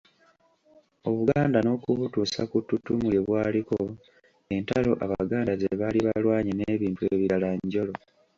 Obuganda n’okubutuusa ku ttutumu lye Bwaliko, entalo Abaganda ze baali balwanye n’ebintu ebirala njolo.